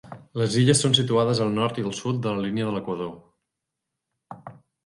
Les illes són situades al nord i al sud de la línia de l'equador.